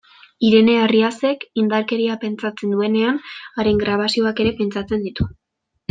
Irene Arriasek, indarkeria pentsatzen duenean, haren grabazioak ere pentsatzen ditu.